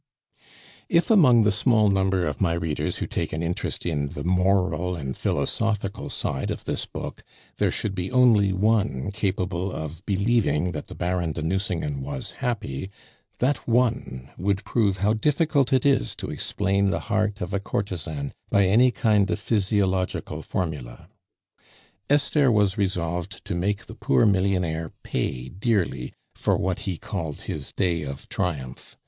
If among the small number of my readers who take an interest in the moral and philosophical side of this book there should be only one capable of believing that the Baron de Nucingen was happy, that one would prove how difficult it is to explain the heart of a courtesan by any kind of physiological formula. Esther was resolved to make the poor millionaire pay dearly for what he called his day of triumph.